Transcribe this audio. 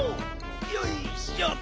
よいしょ。